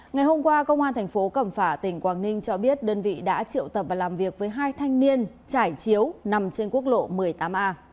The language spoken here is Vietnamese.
ngày hôm qua công an thành phố cẩm phả tỉnh quảng ninh cho biết đơn vị đã triệu tập và làm việc với hai thanh niên trải chiếu nằm trên quốc lộ một mươi tám a